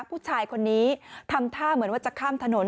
ผู้ชายคนนี้ทำท่าเหมือนว่าจะข้ามถนน